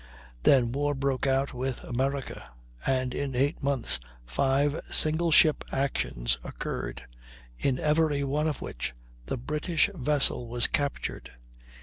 Then war broke out with America, and in eight months five single ship actions occurred, in every one of which the British vessel was captured.